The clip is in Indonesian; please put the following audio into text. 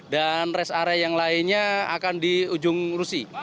dan rest area yang lainnya akan di ujung rusi